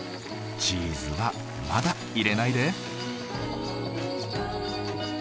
チーズはまだ入れないで。